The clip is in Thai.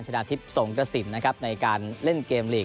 ชนะทิพย์สงกระสินนะครับในการเล่นเกมลีก